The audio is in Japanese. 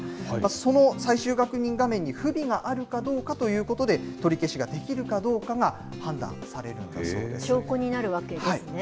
その最終確認画面に不備があるかどうかということで、取り消しができるかどうかが判断されるんだ証拠になるわけですね。